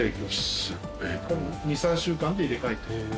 ２３週間で入れ替えて。